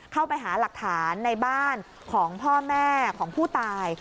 เข้าไปหาหลักฐานในบ้านของพ่อแม่ของผู้ตาย